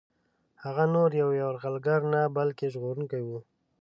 هغه نور یو یرغلګر نه بلکه ژغورونکی وو.